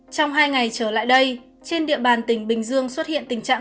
trong hai ngày trở lại đây trên địa bàn tỉnh bình dương xuất hiện tình trạng